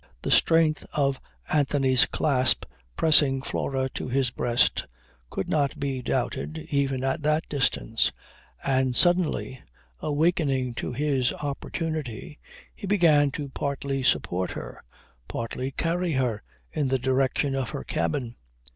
The strength of Anthony's clasp pressing Flora to his breast could not be doubted even at that distance, and suddenly, awakening to his opportunity, he began to partly support her, partly carry her in the direction of her cabin.